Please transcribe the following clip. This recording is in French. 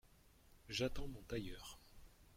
J’attends mon tailleur.